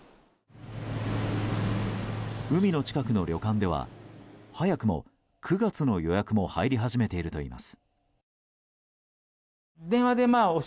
海の近くの旅館では早くも９月の予約も入り始めているといいます。